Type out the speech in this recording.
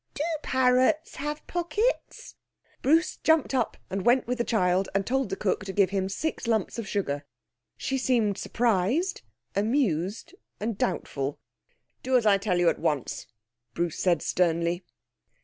'Do parrots have pockets?' Bruce jumped up and went with the child, and told the cook to give him six lumps of sugar. She seemed surprised, amused, and doubtful. 'Do as I tell you at once,' Bruce said sternly.